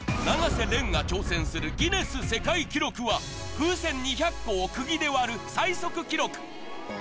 永瀬廉が挑戦するギネス世界記録は、風船２００個をくぎで割る最速記録。